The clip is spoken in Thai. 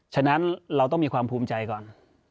ฉะนั้นเราต้องมีความภูมิใจก่อน